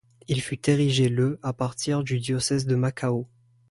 Il fut érigé le à partir du diocèse de Macao.